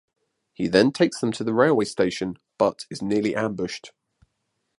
He then takes them to the railway station but is nearly ambushed.